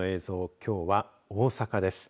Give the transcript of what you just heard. きょうは大阪です。